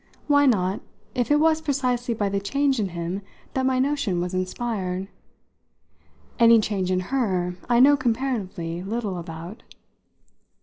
Why not, if it was precisely by the change in him that my notion was inspired? Any change in her I know comparatively little about."